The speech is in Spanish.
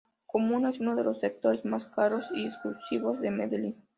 La comuna es uno de los sectores más caros y exclusivos de Medellín.